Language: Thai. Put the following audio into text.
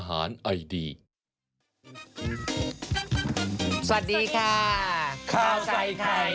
ข้าวใส่ไทย